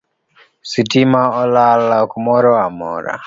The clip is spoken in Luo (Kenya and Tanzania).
Sitima olal kumoramora